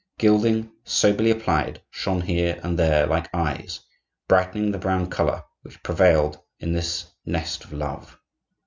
Gilding, soberly applied, shone here and there like eyes, brightening the brown color which prevailed in this nest of love.